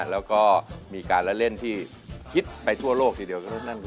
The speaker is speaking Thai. แล้วก็มีการเล่นที่ฮิตไปทั่วโลกทีเดียว